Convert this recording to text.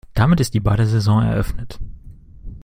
Damit ist die Badesaison eröffnet.